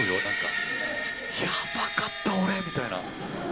やばかった俺みたいな。